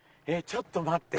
ちょっと待って。